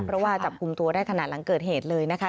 เพราะว่าจับกลุ่มตัวได้ขณะหลังเกิดเหตุเลยนะคะ